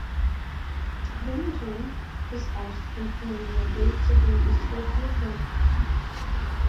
The Museum is housed in a renovated industrial building.